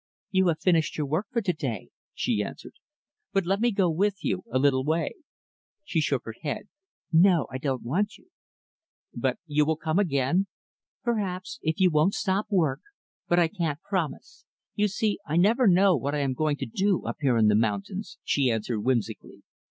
"You have finished your work for to day," she answered "But let me go with you, a little way." She shook her head. "No, I don't want you." "But you will come again?" "Perhaps if you won't stop work but I can't promise you see I never know what I am going to do up here in the mountains," she answered whimsically.